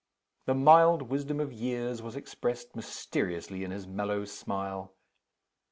The mild wisdom of years was expressed mysteriously in his mellow smile.